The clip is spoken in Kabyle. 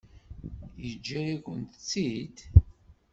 Yeǧǧa-yakent-tt-id?